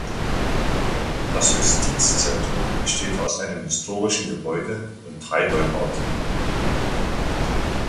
Das Justizzentrum besteht aus einem historischen Gebäude und drei Neubauten.